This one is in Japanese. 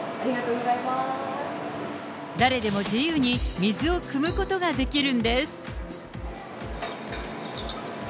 誰でも自由に水をくむことができるんです。